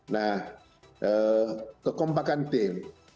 nah kekompakan tim